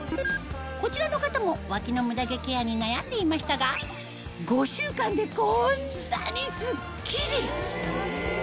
こちらの方も脇のムダ毛ケアに悩んでいましたが５週間でこんなにスッキリ！